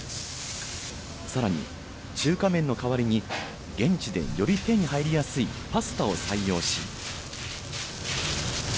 さらに、中華麺の代わりに現地でより手に入りやすいパスタを採用し。